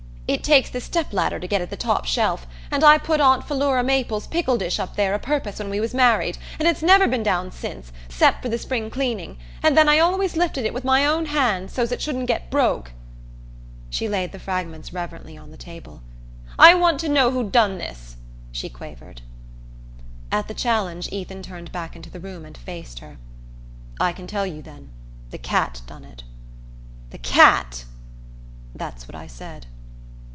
"It takes the stepladder to get at the top shelf, and I put Aunt Philura Maple's pickle dish up there o' purpose when we was married, and it's never been down since, 'cept for the spring cleaning, and then I always lifted it with my own hands, so's 't it shouldn't get broke." She laid the fragments reverently on the table. "I want to know who done this," she quavered. At the challenge Ethan turned back into the room and faced her. "I can tell you, then. The cat done it." "The cat?" "That's what I said."